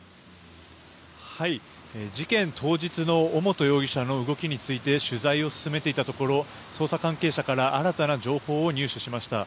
事件当日の尾本容疑者の動きについて取材を進めていたところ捜査関係者から新たな情報を入手しました。